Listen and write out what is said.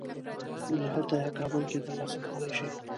بیا یې هلته یا کابل کې تر لاسه کولی شې.